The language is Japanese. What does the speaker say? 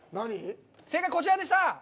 正解はこちらでした！